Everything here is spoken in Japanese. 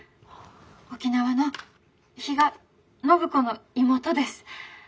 沖縄の比嘉暢子の妹です。